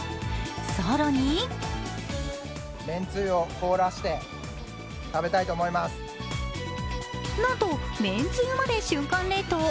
更になんと、めんつゆまで瞬間冷凍。